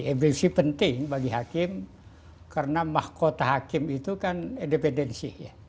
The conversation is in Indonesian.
infeksi penting bagi hakim karena mahkota hakim itu kan independensi ya